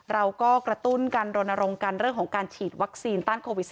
เราก็กระตุ้นการรณรงค์กันเรื่องของการฉีดวัคซีนต้านโควิด๑๙